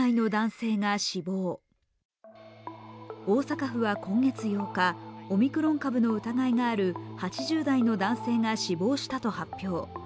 大阪府は今月８日、オミクロン株の疑いがある８０代の男性が死亡したと発表。